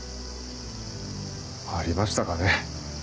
ありましたかね。